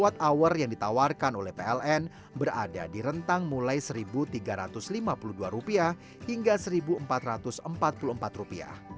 pesawat hour yang ditawarkan oleh pln berada di rentang mulai rp satu tiga ratus lima puluh dua hingga rp satu empat ratus empat puluh empat